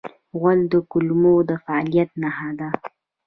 غول د کولمو د فعالیت نښه ده.